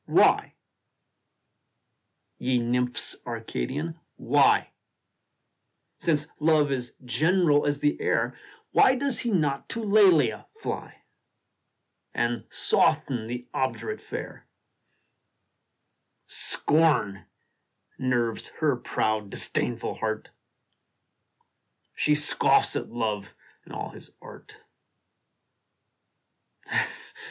THE DREAM OF LOVE. 71 Then why, ye nymphs Arcadian, why Since Love is general as the air Why does he not to Lelia fly, And soften that obdurate fair? Scorn nerves her proud, disdainful heart ! She scoffs at Love and all his art